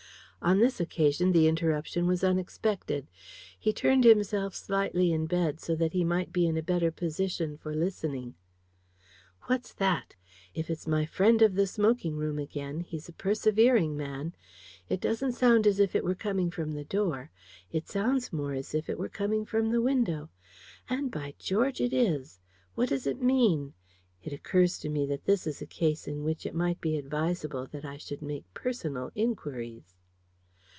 On this occasion the interruption was unexpected. He turned himself slightly in bed, so that he might be in a better position for listening. "What's that? If it's my friend of the smoking room again, he's a persevering man. It doesn't sound as if it were coming from the door; it sounds more as if it were coming from the window and, by George, it is! What does it mean? It occurs to me that this is a case in which it might be advisable that I should make personal inquiries."